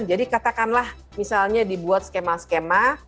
jadi katakanlah misalnya dibuat skema skema